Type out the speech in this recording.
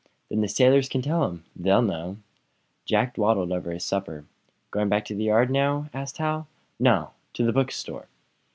"Then the sailors can tell him; they know." Jack dawdled over his supper. "Going back to the yard now?" asked Hal. "No; to the bookstore."